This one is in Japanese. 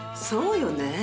そうよね。